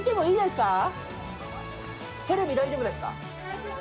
テレビ大丈夫ですか？